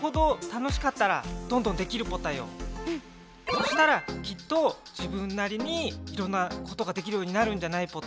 そしたらきっと自分なりにいろんなことができるようになるんじゃないポタ？